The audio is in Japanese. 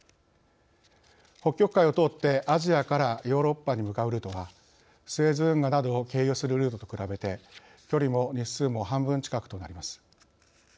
北極海を通って、アジアからヨーロッパに向かうルートはスエズ運河などを経由するルートと比べて距離も日数も半分近くとなります。